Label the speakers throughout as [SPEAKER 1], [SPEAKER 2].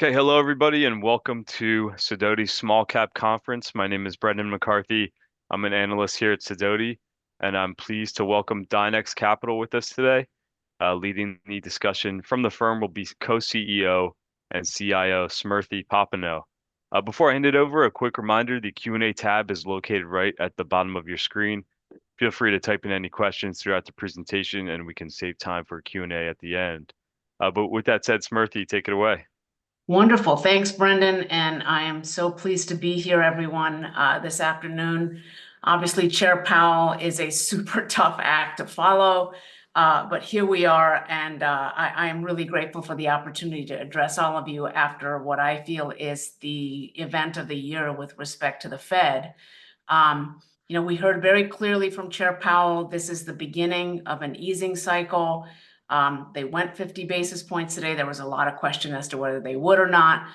[SPEAKER 1] Okay. Hello, everybody, and welcome to Sidoti Small Cap Conference. My name is Brendan McCarthy. I'm an analyst here at Sidoti, and I'm pleased to welcome Dynex Capital with us today. Leading the discussion from the firm will be Co-CEO and CIO, Smriti Popenoe. Before I hand it over, a quick reminder, the Q&A tab is located right at the bottom of your screen. Feel free to type in any questions throughout the presentation, and we can save time for Q&A at the end. But with that said, Smriti, take it away.
[SPEAKER 2] Wonderful. Thanks, Brendan, and I am so pleased to be here, everyone, this afternoon. Obviously, Chair Powell is a super tough act to follow. But here we are, and, I'm really grateful for the opportunity to address all of you after what I feel is the event of the year with respect to the Fed. You know, we heard very clearly from Chair Powell, this is the beginning of an easing cycle. They went 50 basis points today. There was a lot of question as to whether they would or not.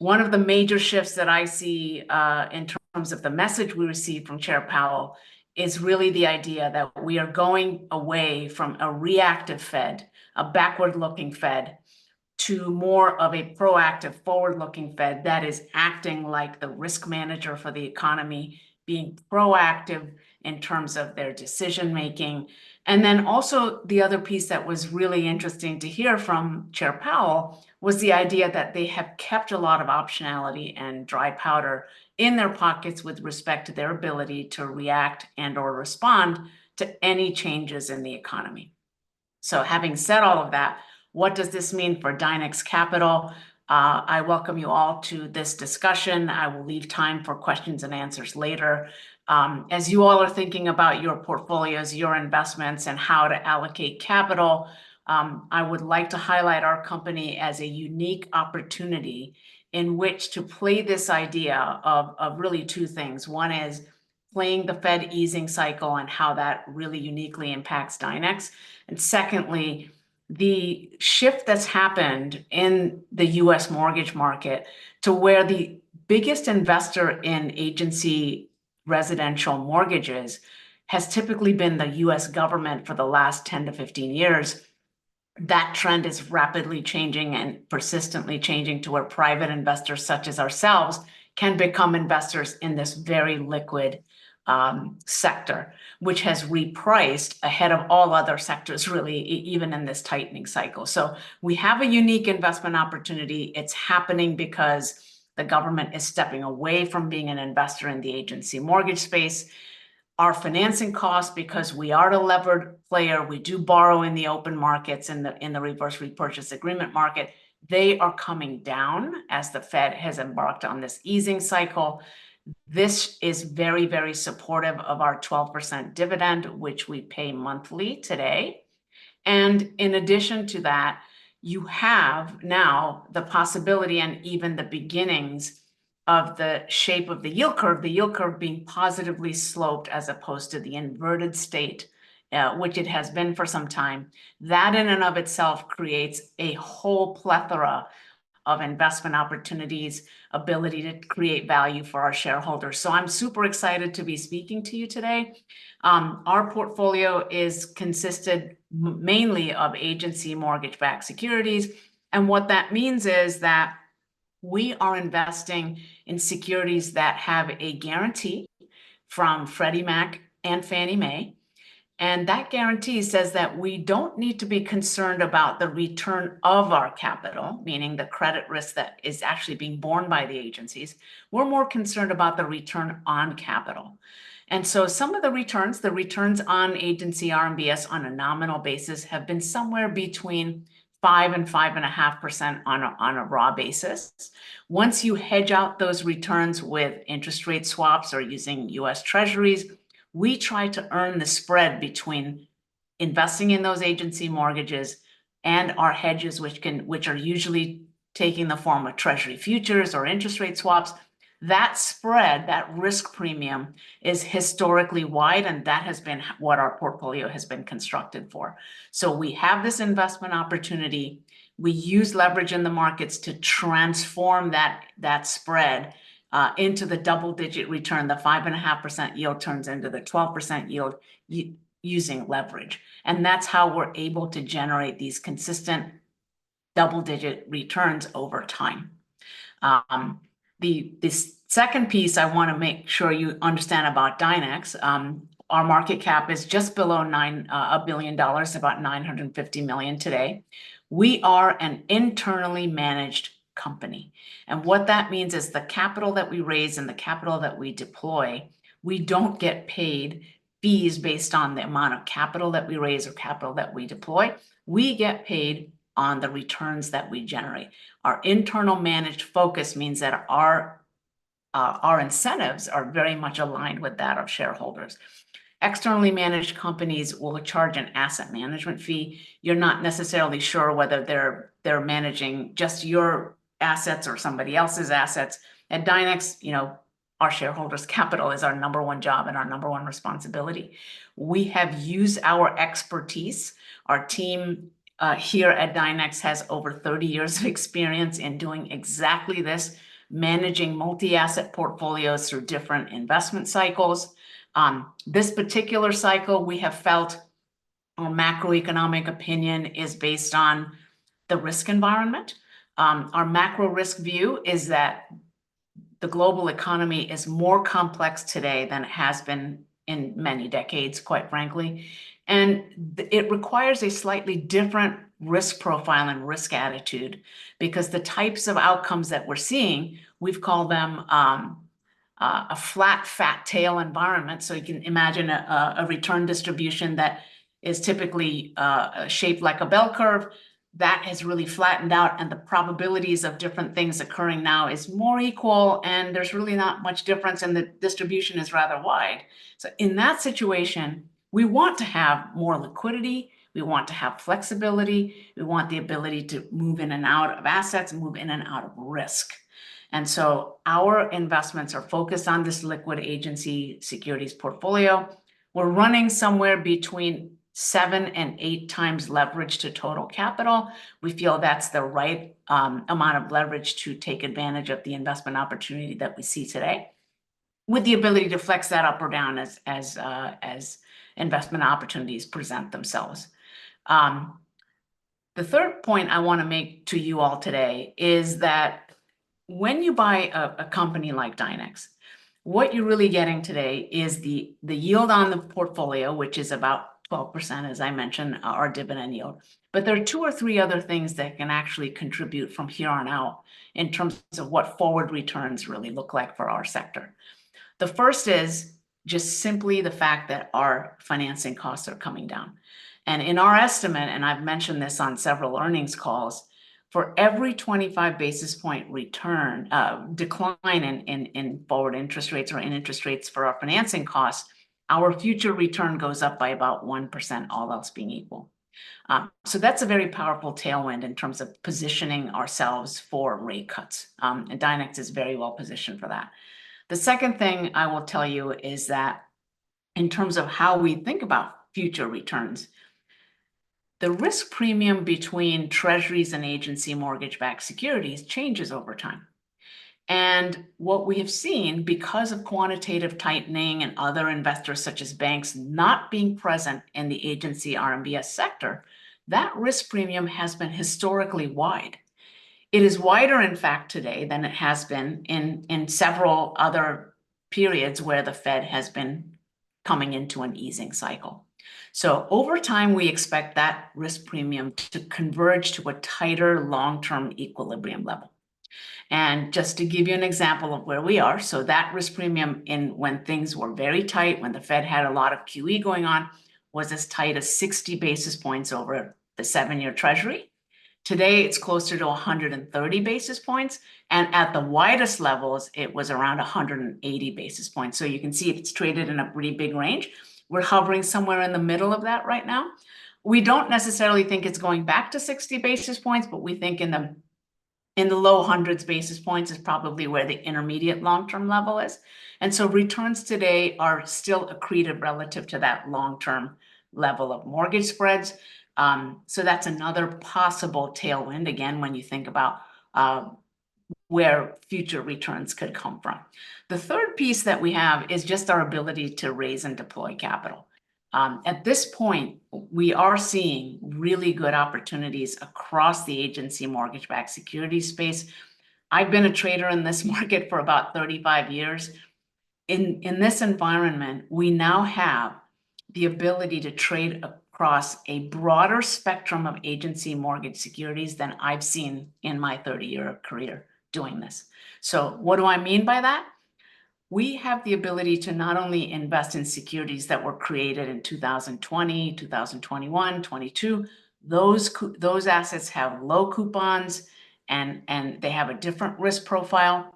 [SPEAKER 2] One of the major shifts that I see in terms of the message we received from Chair Powell is really the idea that we are going away from a reactive Fed, a backward-looking Fed, to more of a proactive, forward-looking Fed that is acting like the risk manager for the economy, being proactive in terms of their decision-making. And then also, the other piece that was really interesting to hear from Chair Powell was the idea that they have kept a lot of optionality and dry powder in their pockets with respect to their ability to react and/or respond to any changes in the economy. So having said all of that, what does this mean for Dynex Capital? I welcome you all to this discussion. I will leave time for questions and answers later. As you all are thinking about your portfolios, your investments, and how to allocate capital, I would like to highlight our company as a unique opportunity in which to play this idea of really two things. One is playing the Fed easing cycle and how that really uniquely impacts Dynex, and secondly, the shift that's happened in the U.S. mortgage market, to where the biggest investor in agency residential mortgages has typically been the U.S. government for the last 10-15 years. That trend is rapidly changing and persistently changing to where private investors, such as ourselves, can become investors in this very liquid sector, which has repriced ahead of all other sectors, really even in this tightening cycle, so we have a unique investment opportunity. It's happening because the government is stepping away from being an investor in the agency mortgage space. Our financing costs, because we are a levered player, we do borrow in the open markets, in the reverse repurchase agreement market, they are coming down as the Fed has embarked on this easing cycle. This is very, very supportive of our 12% dividend, which we pay monthly today, and in addition to that, you have now the possibility and even the beginnings of the shape of the yield curve, the yield curve being positively sloped as opposed to the inverted state, which it has been for some time. That in and of itself creates a whole plethora of investment opportunities, ability to create value for our shareholders, so I'm super excited to be speaking to you today. Our portfolio is consisted mainly of agency mortgage-backed securities, and what that means is that we are investing in securities that have a guarantee from Freddie Mac and Fannie Mae, and that guarantee says that we don't need to be concerned about the return of our capital, meaning the credit risk that is actually being borne by the agencies. We're more concerned about the return on capital. And so some of the returns on agency RMBS on a nominal basis have been somewhere between 5%-5.5% on a raw basis. Once you hedge out those returns with interest rate swaps or using US Treasuries, we try to earn the spread between investing in those agency mortgages and our hedges, which are usually taking the form of Treasury futures or interest rate swaps. That spread, that risk premium, is historically wide, and that has been what our portfolio has been constructed for. So we have this investment opportunity. We use leverage in the markets to transform that spread into the double-digit return. The 5.5% yield turns into the 12% yield using leverage, and that's how we're able to generate these consistent double-digit returns over time. This second piece I wanna make sure you understand about Dynex, our market cap is just below $1 billion, about $950 million today. We are an internally managed company, and what that means is the capital that we raise and the capital that we deploy, we don't get paid fees based on the amount of capital that we raise or capital that we deploy. We get paid on the returns that we generate. Our internal managed focus means that our incentives are very much aligned with that of shareholders. Externally managed companies will charge an asset management fee. You're not necessarily sure whether they're managing just your assets or somebody else's assets. At Dynex, you know, our shareholders' capital is our number one job and our number one responsibility. We have used our expertise. Our team here at Dynex has over thirty years of experience in doing exactly this, managing multi-asset portfolios through different investment cycles. This particular cycle, our macroeconomic opinion is based on the risk environment. Our macro risk view is that the global economy is more complex today than it has been in many decades, quite frankly. It requires a slightly different risk profile and risk attitude, because the types of outcomes that we're seeing, we've called them a flat fat tail environment, so you can imagine a return distribution that is typically shaped like a bell curve. That has really flattened out, and the probabilities of different things occurring now is more equal, and there's really not much difference, and the distribution is rather wide, so in that situation, we want to have more liquidity, we want to have flexibility, we want the ability to move in and out of assets, and move in and out of risk. And so our investments are focused on this liquid agency securities portfolio. We're running somewhere between seven and eight times leverage to total capital. We feel that's the right amount of leverage to take advantage of the investment opportunity that we see today, with the ability to flex that up or down as investment opportunities present themselves. The third point I wanna make to you all today is that when you buy a company like Dynex, what you're really getting today is the yield on the portfolio, which is about 12%, as I mentioned, our dividend yield. But there are two or three other things that can actually contribute from here on out in terms of what forward returns really look like for our sector. The first is just simply the fact that our financing costs are coming down. In our estimate, and I've mentioned this on several earnings calls, for every 25 basis point return, decline in forward interest rates or in interest rates for our financing costs, our future return goes up by about 1%, all else being equal. So that's a very powerful tailwind in terms of positioning ourselves for rate cuts, and Dynex is very well positioned for that. The second thing I will tell you is that in terms of how we think about future returns, the risk premium between treasuries and agency mortgage-backed securities changes over time. What we have seen, because of quantitative tightening and other investors, such as banks, not being present in the agency RMBS sector, that risk premium has been historically wide. It is wider, in fact, today than it has been in several other periods where the Fed has been coming into an easing cycle. So over time, we expect that risk premium to converge to a tighter long-term equilibrium level. And just to give you an example of where we are, so that risk premium, when things were very tight, when the Fed had a lot of QE going on, was as tight as 60 basis points over the 7-Year Treasury. Today, it is closer to 130 basis points, and at the widest levels, it was around 180 basis points. So you can see it has traded in a pretty big range. We are hovering somewhere in the middle of that right now. We don't necessarily think it's going back to 60 basis points, but we think in the low hundreds basis points is probably where the intermediate long-term level is. And so returns today are still accreted relative to that long-term level of mortgage spreads. So that's another possible tailwind, again, when you think about where future returns could come from. The third piece that we have is just our ability to raise and deploy capital. At this point, we are seeing really good opportunities across the agency mortgage-backed security space. I've been a trader in this market for about 35 years. In this environment, we now have the ability to trade across a broader spectrum of agency mortgage securities than I've seen in my 30-year career doing this. So what do I mean by that? We have the ability to not only invest in securities that were created in two thousand and twenty, two thousand and twenty-one, two thousand and twenty-two. Those those assets have low coupons, and they have a different risk profile.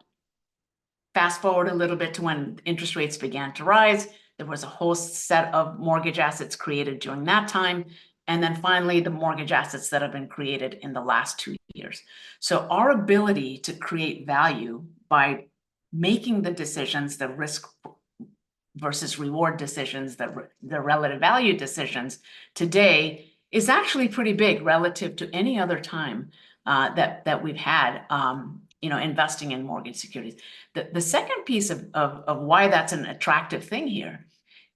[SPEAKER 2] Fast-forward a little bit to when interest rates began to rise, there was a whole set of mortgage assets created during that time, and then finally, the mortgage assets that have been created in the last two years. So our ability to create value by making the decisions, the risk versus reward decisions, the relative value decisions, today is actually pretty big relative to any other time, that we've had, you know, investing in mortgage securities. The second piece of why that's an attractive thing here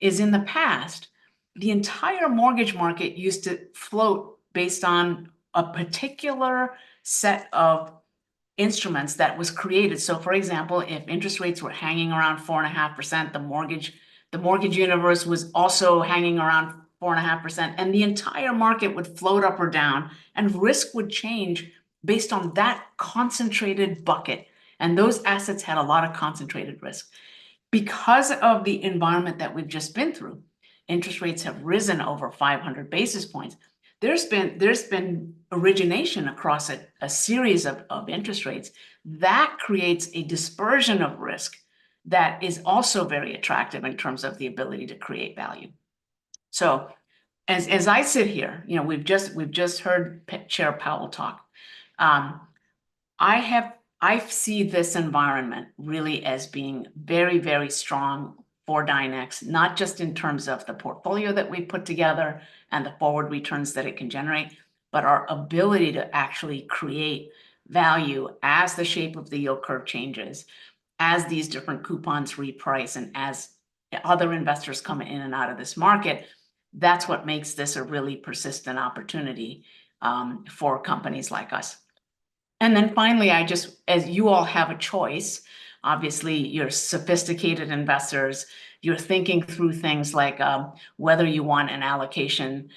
[SPEAKER 2] is, in the past, the entire mortgage market used to float based on a particular set of instruments that was created. So for example, if interest rates were hanging around 4.5%, the mortgage universe was also hanging around 4.5%, and the entire market would float up or down, and risk would change based on that concentrated bucket, and those assets had a lot of concentrated risk. Because of the environment that we've just been through, interest rates have risen over 500 basis points. There's been origination across a series of interest rates. That creates a dispersion of risk that is also very attractive in terms of the ability to create value. So as I sit here, you know, we've just heard Chair Powell talk. I see this environment really as being very, very strong for Dynex, not just in terms of the portfolio that we've put together and the forward returns that it can generate, but our ability to actually create value as the shape of the yield curve changes, as these different coupons reprice, and as other investors come in and out of this market. That's what makes this a really persistent opportunity for companies like us. Then finally, I just, as you all have a choice, obviously you're sophisticated investors, you're thinking through things like whether you want an allocation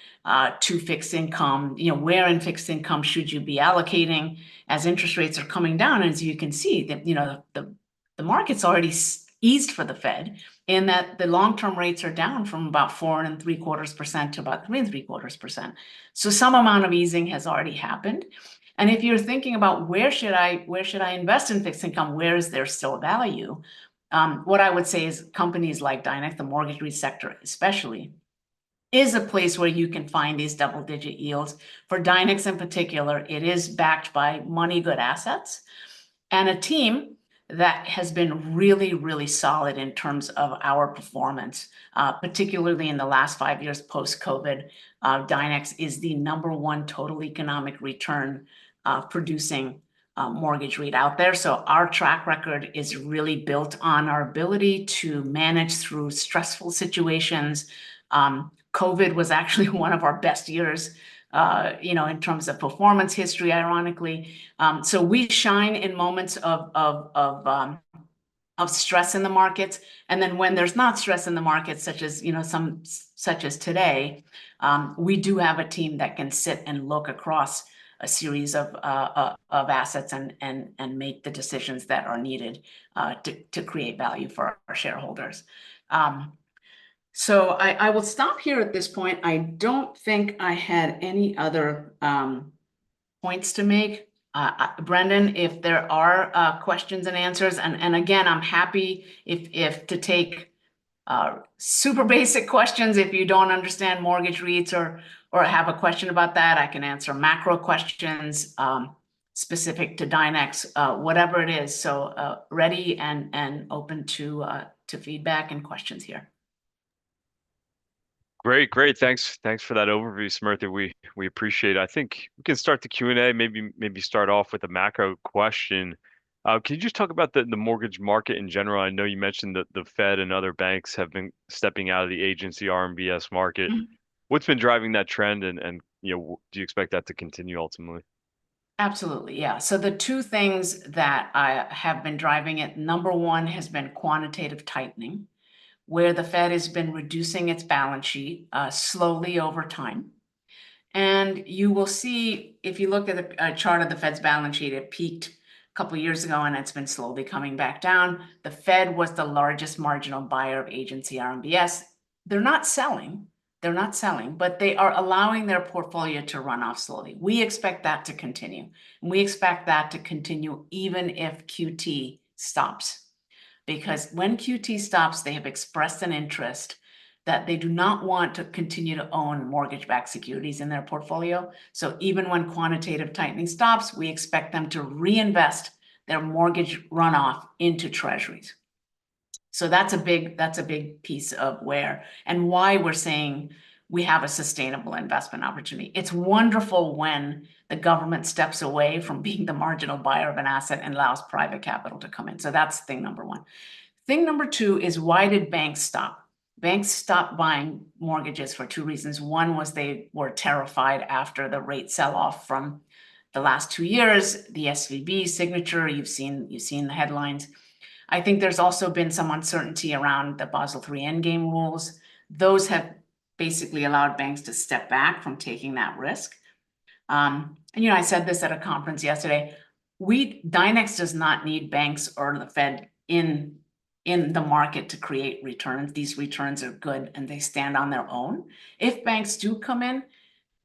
[SPEAKER 2] to fixed income. You know, where in fixed income should you be allocating as interest rates are coming down? As you can see, you know, the market's already eased for the Fed, in that the long-term rates are down from about 4.75% to about 3.75%. So some amount of easing has already happened, and if you're thinking about where should I invest in fixed income, where is there still value? What I would say is companies like Dynex, the mortgage REIT sector especially, is a place where you can find these double-digit yields. For Dynex in particular, it is backed by money-good assets, and a team that has been really, really solid in terms of our performance. Particularly in the last five years post-COVID, Dynex is the number one total economic return producing mortgage REIT out there. So our track record is really built on our ability to manage through stressful situations. COVID was actually one of our best years, you know, in terms of performance history, ironically. So we shine in moments of stress in the markets, and then when there's not stress in the markets, such as, you know, such as today, we do have a team that can sit and look across a series of assets and make the decisions that are needed to create value for our shareholders. So I will stop here at this point. I don't think I had any other points to make. Brendan, if there are questions and answers... And again, I'm happy to take super basic questions if you don't understand mortgage REITs or have a question about that. I can answer macro questions specific to Dynex, whatever it is. So, ready and open to feedback and questions here.
[SPEAKER 1] Great. Great. Thanks, thanks for that overview, Smriti. We appreciate it. I think we can start the Q&A, maybe start off with a macro question. Can you just talk about the mortgage market in general? I know you mentioned that the Fed and other banks have been stepping out of the agency RMBS market.
[SPEAKER 2] Mm-hmm.
[SPEAKER 1] What's been driving that trend, and you know, do you expect that to continue ultimately?
[SPEAKER 2] Absolutely, yeah. So the two things that have been driving it, number one has been quantitative tightening, where the Fed has been reducing its balance sheet slowly over time. And you will see, if you look at a chart of the Fed's balance sheet, it peaked a couple of years ago, and it's been slowly coming back down. The Fed was the largest marginal buyer of agency RMBS. They're not selling. They're not selling, but they are allowing their portfolio to run off slowly. We expect that to continue, and we expect that to continue even if QT stops. Because when QT stops, they have expressed an interest that they do not want to continue to own mortgage-backed securities in their portfolio. So even when quantitative tightening stops, we expect them to reinvest their mortgage runoff into treasuries. So that's a big, that's a big piece of where, and why we're saying we have a sustainable investment opportunity. It's wonderful when the government steps away from being the marginal buyer of an asset and allows private capital to come in, so that's thing number one. Thing number two is, why did banks stop? Banks stopped buying mortgages for two reasons. One was they were terrified after the rate sell-off from the last two years, the SVB, Signature. You've seen the headlines. I think there's also been some uncertainty around the Basel III Endgame rules. Those have basically allowed banks to step back from taking that risk. And you know, I said this at a conference yesterday, Dynex does not need banks or the Fed in the market to create returns. These returns are good, and they stand on their own. If banks do come in,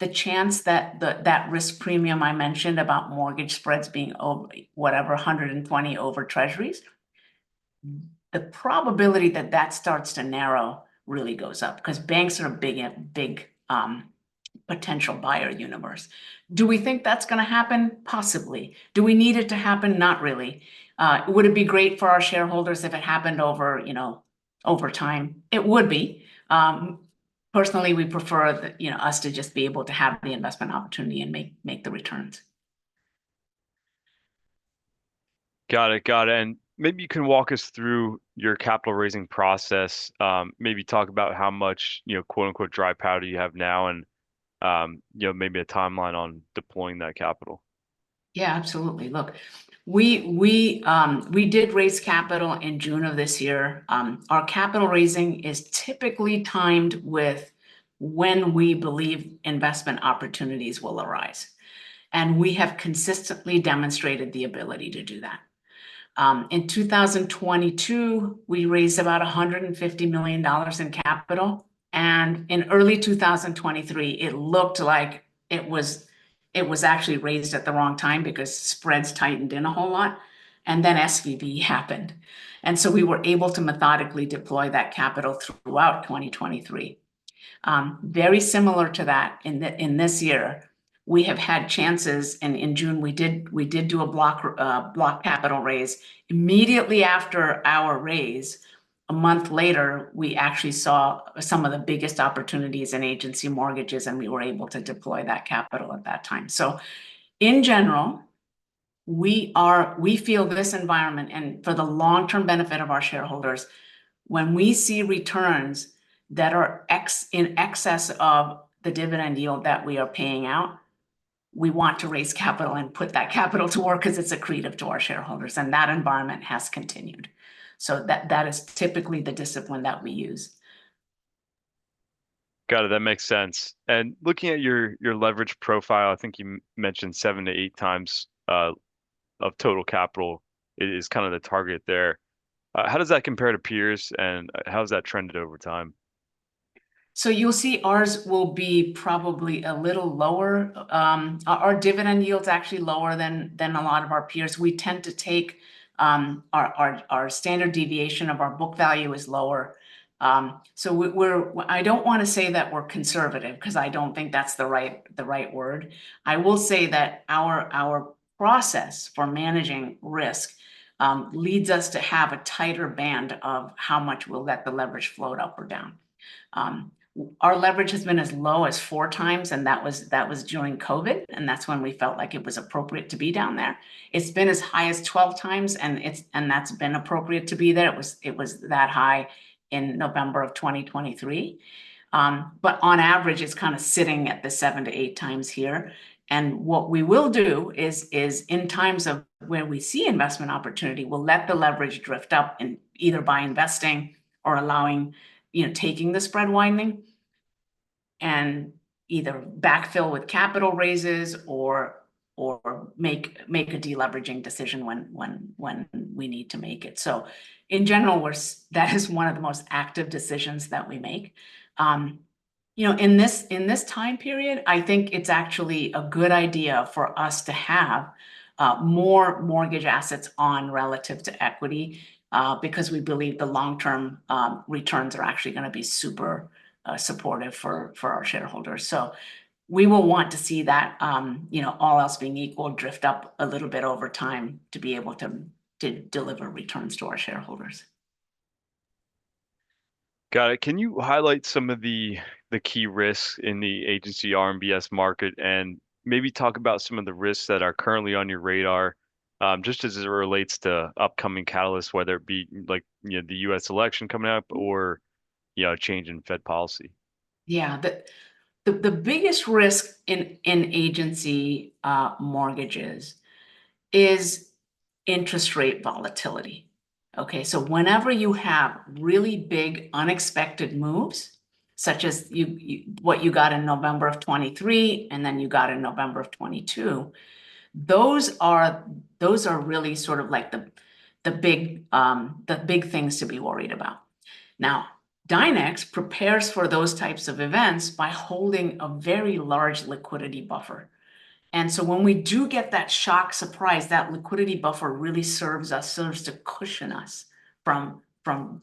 [SPEAKER 2] the chance that the risk premium I mentioned about mortgage spreads being a hundred and twenty over Treasuries, the probability that that starts to narrow really goes up, 'cause banks are a big potential buyer universe. Do we think that's gonna happen? Possibly. Do we need it to happen? Not really. Would it be great for our shareholders if it happened over, you know, over time? It would be. Personally, we prefer that, you know, us to just be able to have the investment opportunity and make the returns. Got it, got it. And maybe you can walk us through your capital-raising process. Maybe talk about how much, you know, quote, unquote, "dry powder" you have now and, you know, maybe a timeline on deploying that capital. Yeah, absolutely. Look, we did raise capital in June of this year. Our capital raising is typically timed with when we believe investment opportunities will arise, and we have consistently demonstrated the ability to do that. In 2022, we raised about $150 million in capital, and in early 2023, it looked like it was, it was actually raised at the wrong time because spreads tightened a whole lot, and then SVB happened, and so we were able to methodically deploy that capital throughout 2023. Very similar to that, in this year, we have had chances, and in June, we did, we did do a block capital raise. Immediately after our raise, a month later, we actually saw some of the biggest opportunities in agency mortgages, and we were able to deploy that capital at that time. So in general, we feel this environment, and for the long-term benefit of our shareholders, when we see returns that are in excess of the dividend yield that we are paying out, we want to raise capital and put that capital to work, 'cause it's accretive to our shareholders, and that environment has continued. So that is typically the discipline that we use.
[SPEAKER 1] Got it, that makes sense. And looking at your leverage profile, I think you mentioned seven-to-eight times of total capital is kind of the target there. How does that compare to peers, and how has that trended over time?
[SPEAKER 2] So you'll see ours will be probably a little lower. Our dividend yield's actually lower than a lot of our peers. We tend to take our standard deviation of our book value is lower. So I don't wanna say that we're conservative, 'cause I don't think that's the right word. I will say that our process for managing risk leads us to have a tighter band of how much we'll let the leverage float up or down. Our leverage has been as low as four times, and that was during COVID, and that's when we felt like it was appropriate to be down there. It's been as high as 12 times, and that's been appropriate to be there. It was that high in November of 2023. But on average, it's kind of sitting at the seven to eight times here. And what we will do is in times of where we see investment opportunity, we'll let the leverage drift up, and either by investing or allowing, you know, taking the spread widening, and either backfill with capital raises or make a de-leveraging decision when we need to make it. So in general, that is one of the most active decisions that we make. You know, in this time period, I think it's actually a good idea for us to have more mortgage assets on relative to equity, because we believe the long-term returns are actually gonna be super supportive for our shareholders. We will want to see that, you know, all else being equal, drift up a little bit over time to be able to deliver returns to our shareholders.
[SPEAKER 1] Got it. Can you highlight some of the key risks in the agency RMBS market, and maybe talk about some of the risks that are currently on your radar, just as it relates to upcoming catalysts, whether it be, like, you know, the U.S. election coming up or, you know, a change in Fed policy?
[SPEAKER 3] Yeah. The biggest risk in agency mortgages is interest rate volatility, okay? So whenever you have really big, unexpected moves, such as what you got in November of 2023, and then you got in November of 2022, those are really sort of like the big things to be worried about. Now, Dynex prepares for those types of events by holding a very large liquidity buffer. And so when we do get that shock surprise, that liquidity buffer really serves us to cushion us from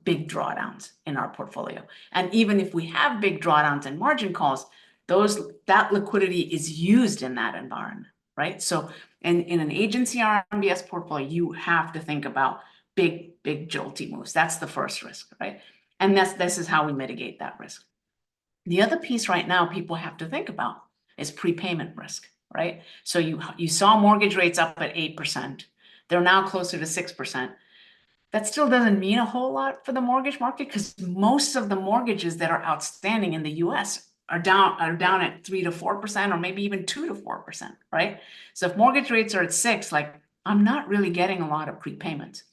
[SPEAKER 3] big drawdowns in our portfolio. And even if we have big drawdowns and margin calls, that liquidity is used in that environment, right? So in an agency RMBS portfolio, you have to think about big jolty moves. That's the first risk, right? And that's, this is how we mitigate that risk. The other piece right now people have to think about is prepayment risk, right? So you saw mortgage rates up at 8%; they're now closer to 6%. That still doesn't mean a whole lot for the mortgage market, 'cause most of the mortgages that are outstanding in the U.S. are down at 3%-4%, or maybe even 2%-4%, right? So if mortgage rates are at 6%, like, I'm not really getting a lot of prepayments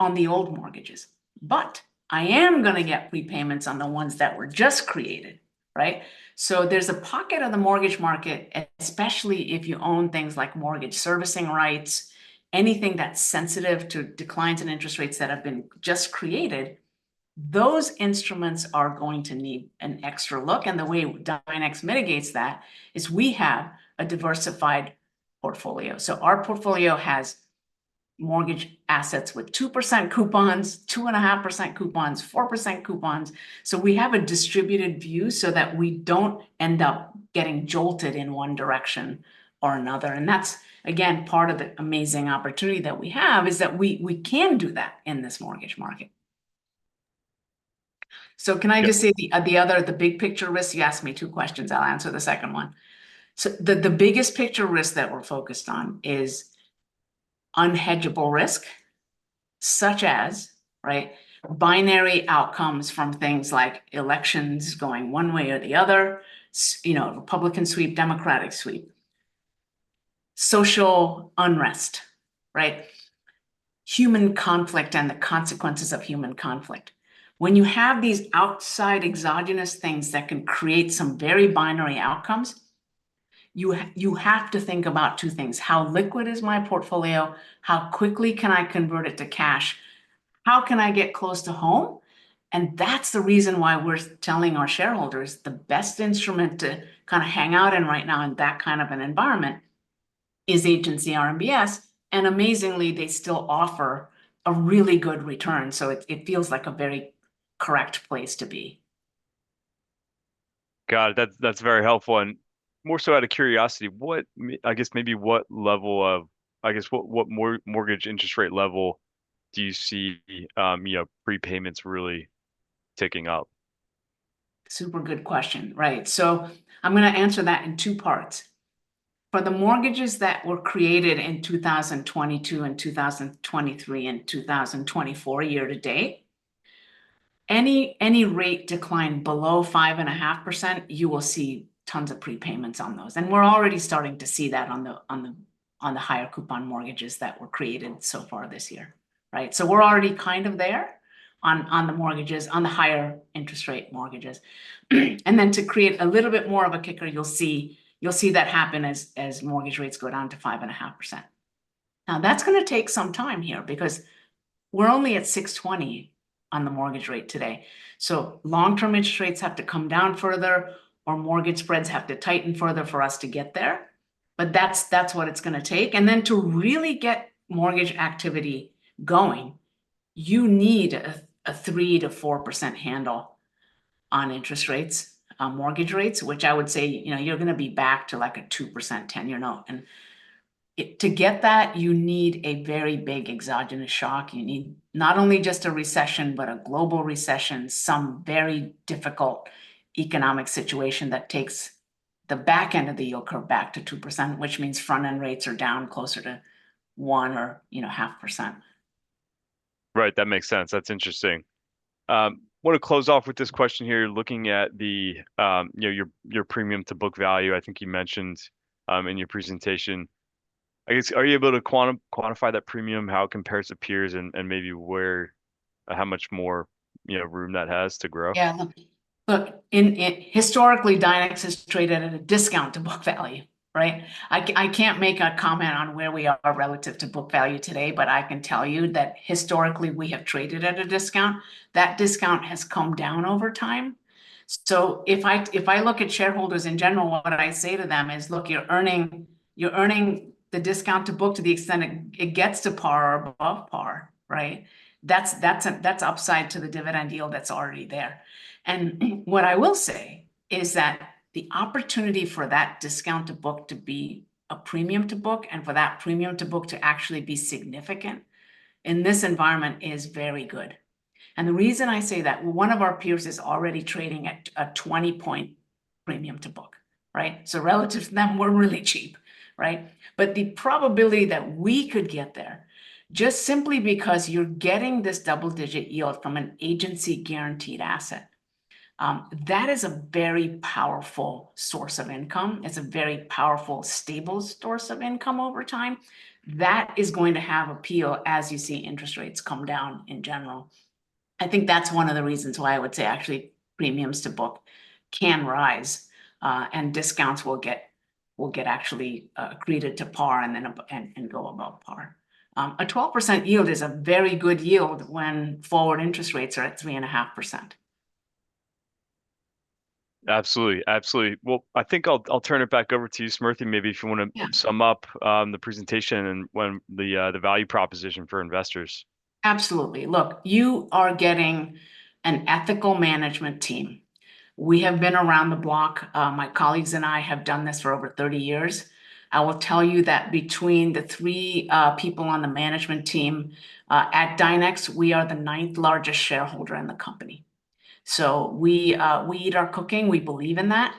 [SPEAKER 3] on the old mortgages. But I am gonna get prepayments on the ones that were just created, right? So there's a pocket of the mortgage market, especially if you own things like mortgage servicing rights, anything that's sensitive to declines in interest rates that have been just created, those instruments are going to need an extra look. And the way Dynex mitigates that is we have a diversified portfolio. So our portfolio has mortgage assets with 2% coupons, 2.5% coupons, 4% coupons. So we have a diversified view so that we don't end up getting jolted in one direction or another, and that's, again, part of the amazing opportunity that we have, is that we, we can do that in this mortgage market. So can I just say- Yeah... the other big-picture risk? You asked me two questions. I'll answer the second one. So the biggest picture risk that we're focused on is unhedgeable risk, such as, right, binary outcomes from things like elections going one way or the other, you know, Republican sweep, Democratic sweep. Social unrest, right? Human conflict and the consequences of human conflict. When you have these outside exogenous things that can create some very binary outcomes, you have to think about two things: How liquid is my portfolio? How quickly can I convert it to cash? How can I get close to home? That's the reason why we're telling our shareholders the best instrument to kind of hang out in right now in that kind of an environment is Agency RMBS, and amazingly, they still offer a really good return, so it feels like a very correct place to be.
[SPEAKER 1] Got it. That's very helpful. And more so out of curiosity, what, I guess maybe what level of... I guess what, what mortgage interest rate level do you see, you know, prepayments really ticking up?
[SPEAKER 2] Super good question, right. So I'm gonna answer that in two parts. For the mortgages that were created in 2022 and 2023 and 2024 year to date, any rate decline below 5.5%, you will see tons of prepayments on those. And we're already starting to see that on the higher coupon mortgages that were created so far this year, right? So we're already kind of there on the higher interest rate mortgages. And then to create a little bit more of a kicker, you'll see that happen as mortgage rates go down to 5.5%. Now, that's gonna take some time here, because we're only at 6.20 on the mortgage rate today. Long-term interest rates have to come down further, or mortgage spreads have to tighten further for us to get there, but that's what it's gonna take. Then to really get mortgage activity going, you need a 3%-4% handle on interest rates, on mortgage rates, which I would say, you know, you're gonna be back to, like, a 2% 10-year note. To get that, you need a very big exogenous shock. You need not only just a recession, but a global recession, some very difficult economic situation that takes the back end of the yield curve back to 2%, which means front-end rates are down closer to 1 or, you know, half percent.
[SPEAKER 1] Right, that makes sense. That's interesting. Wanna close off with this question here, looking at the, you know, your premium-to-book value. I think you mentioned in your presentation... I guess, are you able to quantify that premium, how it compares to peers, and maybe where, how much more, you know, room that has to grow?
[SPEAKER 2] Yeah, look, in historically, Dynex has traded at a discount to book value, right? I can't make a comment on where we are relative to book value today, but I can tell you that historically we have traded at a discount. That discount has come down over time. So if I look at shareholders in general, what I say to them is, "Look, you're earning the discount to book to the extent it gets to par or above par," right? That's upside to the dividend yield that's already there. And what I will say is that the opportunity for that discount to book to be a premium to book, and for that premium to book to actually be significant in this environment is very good. And the reason I say that, one of our peers is already trading at a 20-point premium to book, right? So relative to them, we're really cheap, right? But the probability that we could get there, just simply because you're getting this double-digit yield from an agency-guaranteed asset, that is a very powerful source of income. It's a very powerful, stable source of income over time. That is going to have appeal as you see interest rates come down in general. I think that's one of the reasons why I would say actually premiums to book can rise, and discounts will get actually accreted to par and then go above par. A 12% yield is a very good yield when forward interest rates are at 3.5%.
[SPEAKER 1] Absolutely. Absolutely. I think I'll turn it back over to you, Smriti. Maybe if you wanna-
[SPEAKER 2] Yeah...
[SPEAKER 1] sum up the presentation and when the value proposition for investors.
[SPEAKER 3] Absolutely. Look, you are getting an ethical management team. We have been around the block. My colleagues and I have done this for over 30 years. I will tell you that between the three people on the management team at Dynex, we are the ninth-largest shareholder in the company. So we eat our cooking, we believe in that.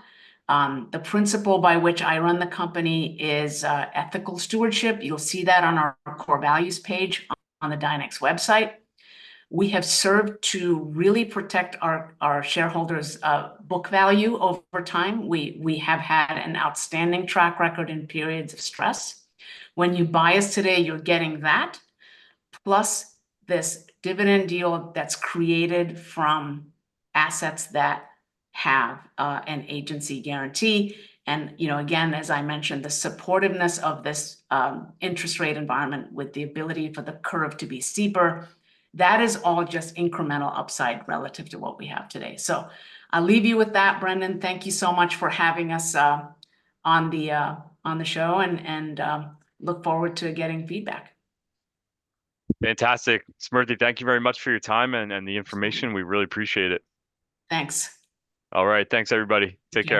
[SPEAKER 3] The principle by which I run the company is ethical stewardship. You'll see that on our Core Values page on the Dynex website. We have served to really protect our shareholders' book value over time. We have had an outstanding track record in periods of stress. When you buy us today, you're getting that, plus this dividend deal that's created from assets that have an agency guarantee. You know, again, as I mentioned, the supportiveness of this interest rate environment with the ability for the curve to be steeper, that is all just incremental upside relative to what we have today. I'll leave you with that, Brendan. Thank you so much for having us on the show, and look forward to getting feedback.
[SPEAKER 1] Fantastic. Smriti, thank you very much for your time and the information.
[SPEAKER 2] Absolutely.
[SPEAKER 1] We really appreciate it.
[SPEAKER 2] Thanks.
[SPEAKER 1] All right. Thanks, everybody. Take care.